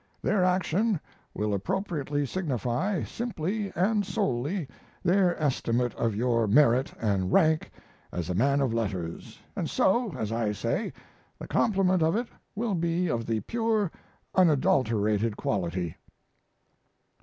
Their action will appropriately signify simply and solely their estimate of your merit and rank as a man of letters, and so, as I say, the compliment of it will be of the pure, unadulterated quality.